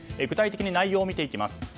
具体的に内容を見ていきます。